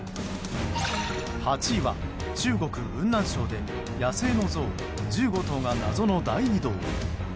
８位は中国・雲南省で野生のゾウ１５頭が謎の大移動。